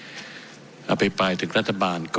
ที่เจ็ดนี้ไม่ใช่เพราะว่าเก่งมากหรือกล้ามากแต่เพราะว่าด้านมากค่ะ